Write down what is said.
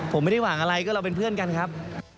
ผมไม่ได้หวังอะไรก็เราเป็นเพื่อนกันครับ